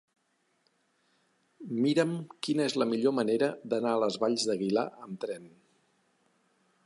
Mira'm quina és la millor manera d'anar a les Valls d'Aguilar amb tren.